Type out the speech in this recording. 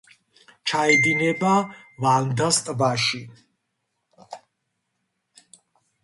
ჩაედინება ვანდას ტბაში.